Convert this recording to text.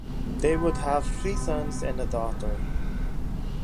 They would have three sons and a daughter.